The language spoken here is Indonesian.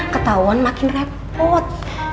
ketauan makin repot